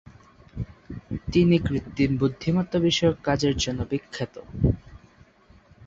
তিনি কৃত্রিম বুদ্ধিমত্তা বিষয়ক কাজের জন্য বিখ্যাত।